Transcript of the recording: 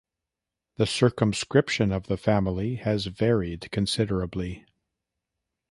The circumscription of the family has varied considerably.